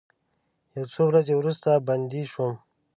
یو څو ورځې وروسته بندي شوم.